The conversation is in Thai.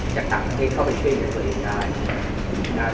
จะต่างเทศเข้าไปเช่นกันตัวเองได้